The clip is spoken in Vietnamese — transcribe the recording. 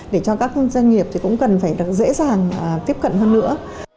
để cho các doanh nghiệp cũng cần phải được dễ dàng tiếp cận hơn nữa